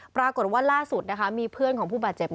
ปรากฏว่าล่าสุดมีเพื่อนของผู้บาดเจ็บ